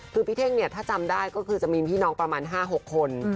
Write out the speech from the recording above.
คือพี่เท่งเนี่ยถ้าจำได้ก็คือจะมีพี่น้องประมาณ๕๖คน